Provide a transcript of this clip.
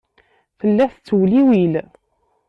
Tella tettewliwil.